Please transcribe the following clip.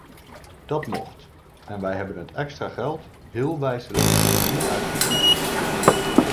Dat mocht - en wij hebben het extra geld heel wijselijk niet uitgegeven.